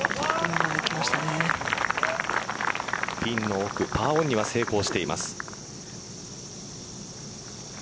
ピンの奥パーオンには成功しています。